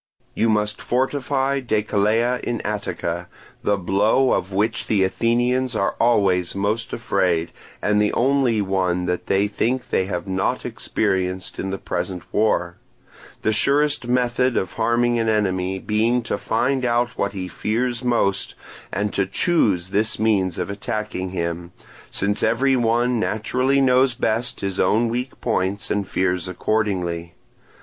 You must fortify Decelea in Attica, the blow of which the Athenians are always most afraid and the only one that they think they have not experienced in the present war; the surest method of harming an enemy being to find out what he most fears, and to choose this means of attacking him, since every one naturally knows best his own weak points and fears accordingly.